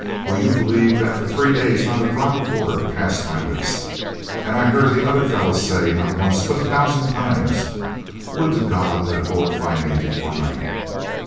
Will you believe that for three days not a drop of water passed my lips? And I heard the other fellows say, not once, but a thousand times, 'Would to God that a bullet find me before night!'